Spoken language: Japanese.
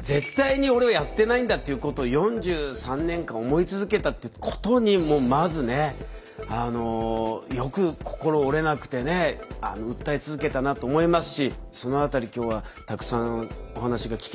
絶対に俺はやってないんだっていうことを４３年間思い続けたってことにもうまずねよく心折れなくてね訴え続けたなと思いますしその辺り今日はたくさんお話が聞けたらなと思います。